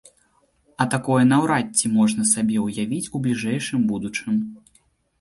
А такое наўрад ці можна сабе ўявіць у бліжэйшым будучым.